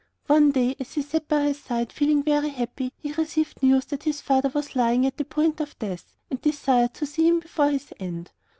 One day as he sat by her side feeling very happy, he received news that his father was lying at the point of death, and desired to see him before his end.